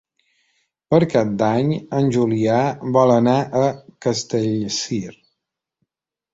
Per Cap d'Any en Julià vol anar a Castellcir.